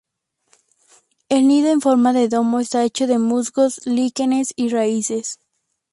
El nido en forma de domo está hecho de musgos, líquenes y raíces.